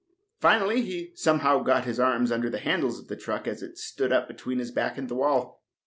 Finally, he somehow got his arms under the handles of the truck as it stood up between his back and the wall.